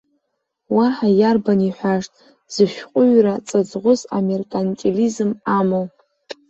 Уаҳа иарбан иҳәашт зышәҟәыҩҩра ҵыҵӷәыс амеркантилизм амоу.